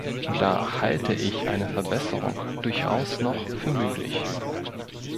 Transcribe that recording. Da halte ich eine Verbesserung durchaus noch für möglich.